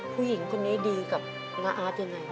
ผู้หญิงคนนี้ดีกับน้าอาร์ตยังไง